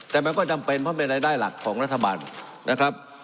แต่มันก็จำเป็นเพราะเป็นรายได้หลักของรัฐบาลนะครับ